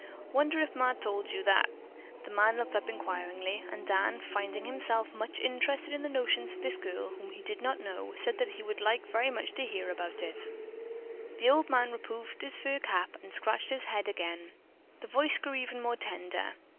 I wonder if Ma tol' you about that?" The old man looked up inquiringly, and Dan, finding himself very much interested in the notions of this girl whom he did not know, said that he would very much like to hear about it. The old man removed his fur cap and scratched his gray head again. His voice grew even more tender.